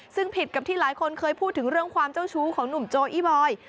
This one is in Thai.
ซึ่งผิดกับที่หลายคนเคยพูดถึงเรื่องความเจ้าชู้ของหนุ่มโจอี้บอย